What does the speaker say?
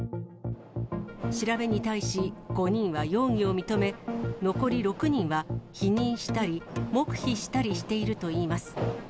調べに対し５人は容疑を認め、残り６人は否認したり、黙秘したりしているといいます。